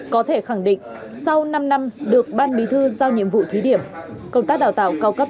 có thể khẳng định sau năm năm được ban bí thư giao nhiệm vụ thí điểm công tác đào tạo cao cấp